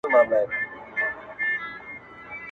د مجاز له حسنه هرڅوک خوند اخستی شي